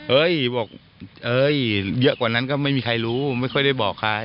บอกเอ้ยเยอะกว่านั้นก็ไม่มีใครรู้ไม่ค่อยได้บอกใคร